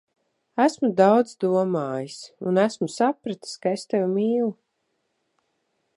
Esmu daudz domājis, un esmu sapratis, ka es tevi mīlu.